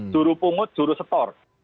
juru pungut juru setor